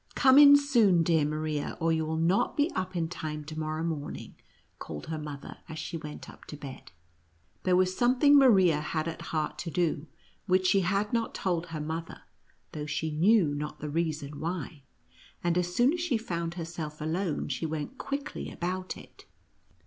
" Come in soon, dear Maria, or you will not be up in time to morrow morning," called her mother, as she went up to bed. There was something Ma ria had at heart to do, which she had not told her mother, though she knew not the reason why ; and as soon as she found herself alone she went quickly about it.